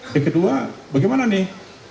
yang kedua bagaimana nih